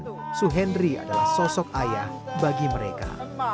pak suhenry adalah sosok ayah bagi mereka